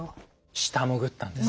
下潜ったんです。